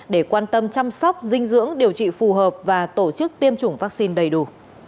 để quan tâm chăm sóc dinh dưỡng điều trị phù hợp và tổ chức tiêm chủng vaccine đầy đủ